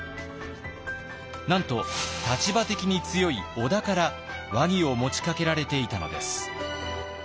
なんと立場的に強い織田から和議を持ちかけられていたのです。